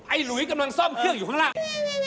หลุยกำลังซ่อมเครื่องอยู่ข้างล่าง